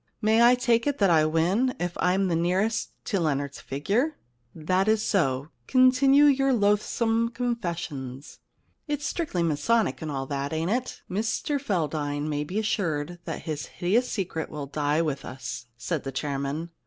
May I take it that I win, if I am nearest to Leonard's figure ?* 25 The Problem Club * That is so. Continue your loathsome confessions.* *It's strictly masonic and all that, ain't it?' * Mr Feldane may be assured that his hideous secret will die with us,' said the chairman.